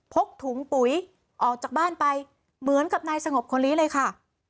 กถุงปุ๋ยออกจากบ้านไปเหมือนกับนายสงบคนนี้เลยค่ะ